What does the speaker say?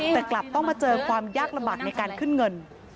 แต่กลับต้องมาเจอความยากลำบากในการขึ้นเงิน